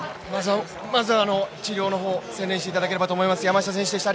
まずは治療の方、専念していただければと思います。